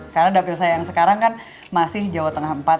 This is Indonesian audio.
karena dapil saya yang sekarang kan masih jawa tengah empat